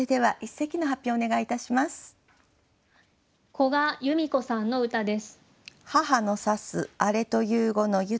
古閑弓子さんの歌です。